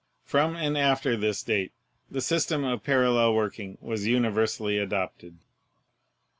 From and after this date the system of parallel working was universally adopted."